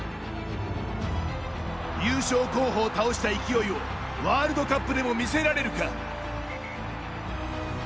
優勝候補を倒した勢いをワールドカップでも見せられるか。